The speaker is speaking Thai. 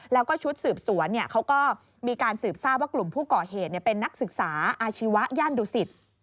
แล้วก็ชุดสืบสวนเขาก็มีการสืบทราบว่ากลุ่มผู้ก่อเหตุเป็นนักศึกษาอาชีวะย่านดุสิต